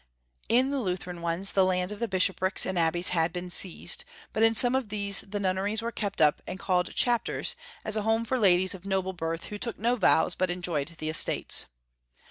In the Lutheran ones the lands of the bishoprics and abbeys had been seized but in some of these the nunneries were kept up and called Chapters, as a home for ladies of noble birth, who took no vows, but enjoyed the estates.